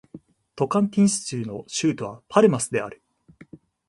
トカンティンス州の州都はパルマスである